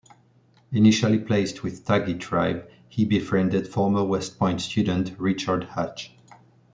Initially placed with Tagi tribe, he befriended former West Point student Richard Hatch.